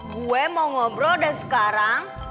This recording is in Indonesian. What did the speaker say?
gue mau ngobrol dan sekarang